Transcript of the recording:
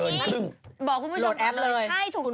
อย่างนี้บอกคุณผู้ชมความรู้ใช่ถูกต้อง